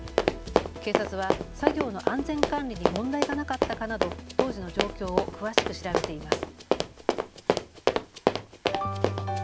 警察は作業の安全管理に問題がなかったかなど当時の状況を詳しく調べています。